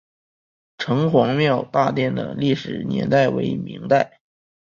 城隍庙大殿的历史年代为明代。